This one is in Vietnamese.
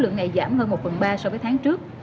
số lượng ngày giảm hơn một phần ba so với tháng trước